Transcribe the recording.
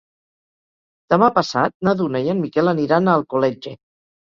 Demà passat na Duna i en Miquel aniran a Alcoletge.